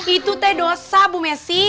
itu teh dosa bu messi